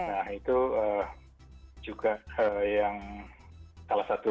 nah itu juga yang salah satu